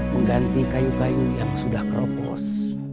mengganti kayu kayu yang sudah keropos